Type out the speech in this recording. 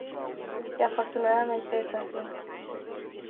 Y afortunadamente es así.